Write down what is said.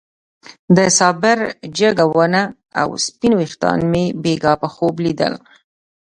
د صابر جګه ونه او سپين ويښتان مې بېګاه په خوب ليدل.